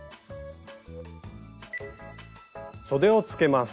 そでをつけます。